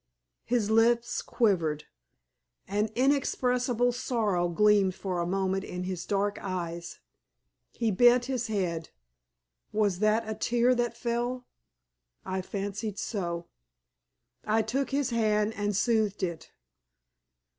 His lips quivered. An inexpressible sorrow gleamed for a moment in his dark eyes. He bent his head. Was that a tear that fell? I fancied so. I took his hand and soothed it.